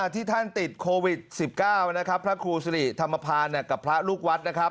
ที่ท่านติดโควิด๑๙พระครูสุริธรรมภาพกับพระลูกวัด